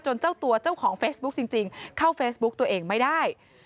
เจ้าตัวเจ้าของเฟซบุ๊คจริงเข้าเฟซบุ๊กตัวเองไม่ได้